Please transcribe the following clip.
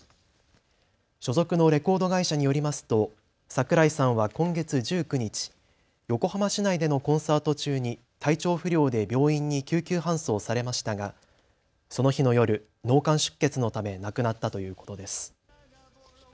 所属のレコード会社によりますと櫻井さんは今月１９日、横浜市内でのコンサート中に体調不良で病院に救急搬送されましたがその日の夜、脳幹出血のため亡くなったということです。